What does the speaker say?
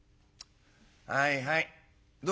「はいはいどうした？」。